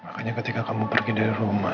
makanya ketika kamu pergi dari rumah